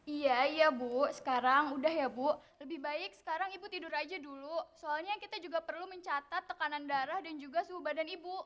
iya iya bu sekarang udah ya bu lebih baik sekarang ibu tidur aja dulu soalnya kita juga perlu mencatat tekanan darah dan juga suhu badan ibu